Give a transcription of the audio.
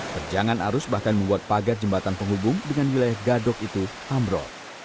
terjangan arus bahkan membuat pagar jembatan penghubung dengan wilayah gadok itu ambrol